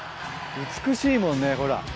美しいもんねほら。